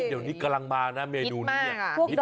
เดี๋ยวนี้กำลังมานะเมดูนี้